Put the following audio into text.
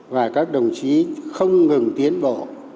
và các đồng chí không ngừng tiến bộ